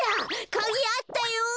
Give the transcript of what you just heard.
カギあったよ！